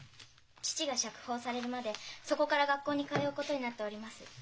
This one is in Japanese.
父が釈放されるまでそこから学校に通うことになっております。